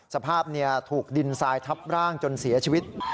สภาพถูกดินทรายทับร่างจนเสียชีวิต